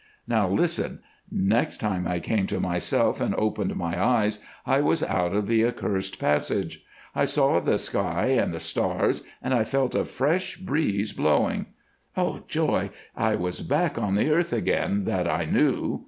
"Now listen! Next time I came to myself and opened my eyes I was out of the accursed passage. I saw the sky and the stars, and I felt a fresh breeze blowing. Oh! joy, I was back on the earth again, that I knew.